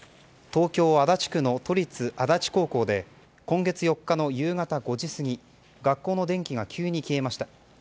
東京・足立区の都立足立高校で今月４日の夕方５時過ぎ学校の電気が急に消えました。